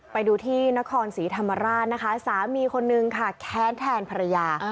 ไปดูที่นครศรีธรรมราชนะคะสามีคนนึงค่ะแค้นแทนภรรยา